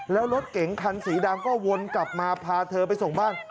แล้วรถเก๋งคันสีดำก็วนกลับมาพาเธอไปส่งบ้าน